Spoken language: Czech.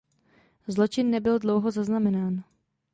Zločin nebyl dlouho zaznamenán.